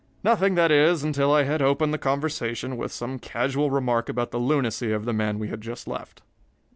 Nothing, that is, until I had opened the conversation with some casual remark about the lunacy of the man we had just left.